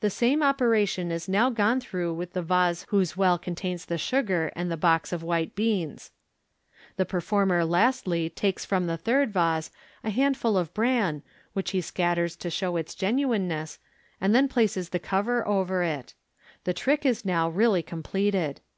The same operation is now gone through with the vase whose well contains the sugar, and the box of white beans. The performer lastly takes from the third vase a handful of bran, whijh h<s scatters to show its genuineness, and then places the cove; over It The trick is now really completed.